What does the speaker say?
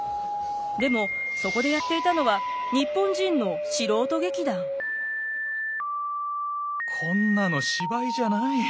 でもそこでやっていたのはこんなの芝居じゃない。